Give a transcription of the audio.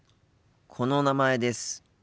この「名前」です。